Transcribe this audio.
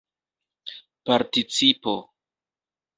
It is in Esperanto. participo